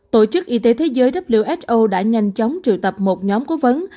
tổ chức y tế thế giới who đã nhanh chóng triệu tập một nhóm cố vấn